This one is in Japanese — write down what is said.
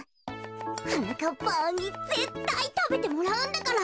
はなかっぱんにぜったいたべてもらうんだから。